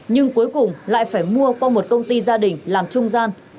nhưng cuối cùng lại phải mua qua một công ty gia đình làm trung gian